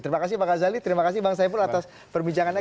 terima kasih pak ghazali terima kasih bang saiful atas perbincangannya